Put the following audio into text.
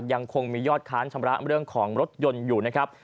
ยังคงมียอดค้านชำระเรื่องของรถยนต์อยู่นะครับ